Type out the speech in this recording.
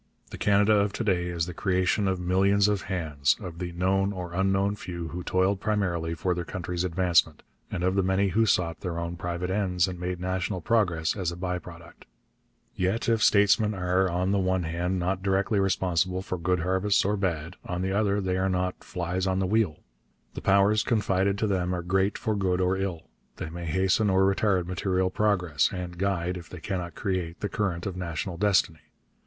The Canada of to day is the creation of millions of hands, of the known or unknown few who toiled primarily for their country's advancement, and of the many who sought their own private ends and made national progress as a by product. Yet if statesmen are, on the one hand, not directly responsible for good harvests or bad, on the other, they are not 'flies on the wheel.' The powers confided to them are great for good or ill. They may hasten or retard material progress, and guide, if they cannot create, the current of national destiny.